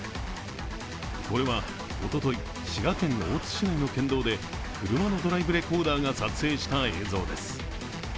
これはおととい、滋賀県大津市内の県道で車のドライブレコーダーが撮影した映像です。